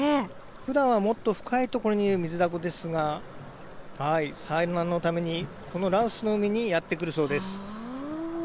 ふだんはもっと深い所にいるミズダコですが産卵のために、この羅臼の海にやってくるそうです。